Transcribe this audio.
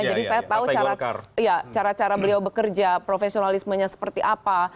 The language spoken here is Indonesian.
jadi saya tahu cara cara beliau bekerja profesionalismenya seperti apa